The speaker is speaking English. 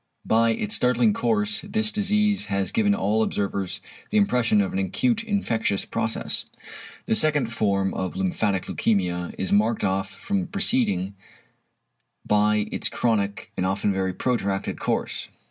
By its startling course this disease has given all observers the impression of an acute infectious process. The second form of lymphatic leukæmia is marked off from the preceding by its chronic, and often very protracted course.